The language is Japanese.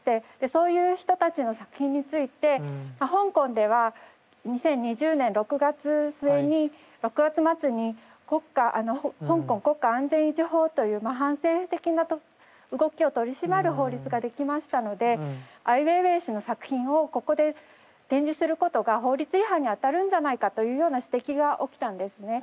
そういう人たちの作品について香港では２０２０年６月末に香港国家安全維持法という反政府的な動きを取り締まる法律ができましたのでアイウェイウェイ氏の作品をここで展示することが法律違反にあたるんじゃないかというような指摘が起きたんですね。